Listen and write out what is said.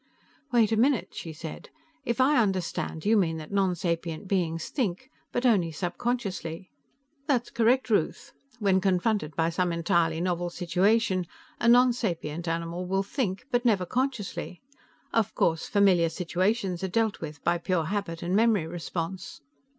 "Wait a minute," she said. "If I understand, you mean that nonsapient beings think, but only subconsciously?" "That's correct, Ruth. When confronted by some entirely novel situation, a nonsapient animal will think, but never consciously. Of course, familiar situations are dealt with by pure habit and memory response."